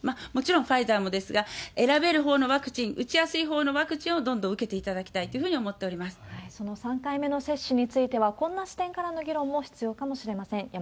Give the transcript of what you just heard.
もちろんファイザーもですが、選べるほうのワクチン、打ちやすいほうのワクチンをどんどん受けていただきたいというふその３回目の接種については、こんな視点からの議論も必要かもしれません。